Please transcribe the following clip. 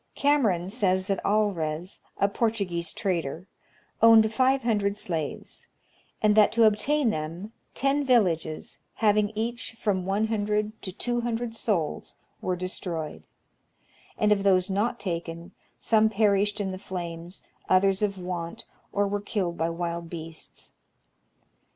Cameron says that Alrez, a Portuguese trader, owned 500 slaves, and that to obtain them, ten villages, having each from 100 to 200 souls, were destroyed ; and of those not taken, some per ished in the flames, others of want, or were killed by wild beasts.